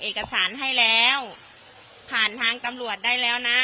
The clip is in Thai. เอกสารให้แล้วผ่านทางตำรวจได้แล้วนะ